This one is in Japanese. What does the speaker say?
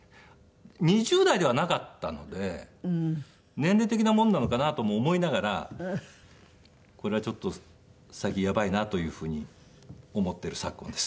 年齢的なもんなのかなとも思いながらこれはちょっと最近やばいなというふうに思っている昨今です。